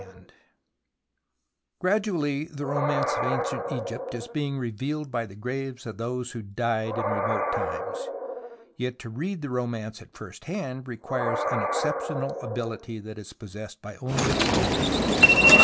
CHAPTER V GRADUALLY the romance of ancient Egypt is being revealed by the graves of those who died in remote times, yet to read the romance at first hand requires exceptional ability that is possessed by only a few men.